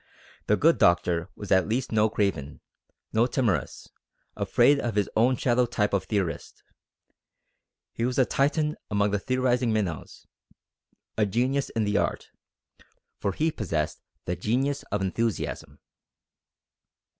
The good doctor was at least no craven, no timorous, afraid of his own shadow type of theorist; he was a Titan among the theorising minnows, a genius in the art; for he possessed the genius of enthusiasm.